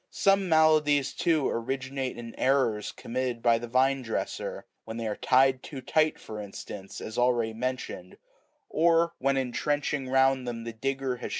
Some maladies, too, originate in errors committed by the vine dresser ; when they are tied too tight, for instance, as already mentioned,98 or when in trenching round them the digger has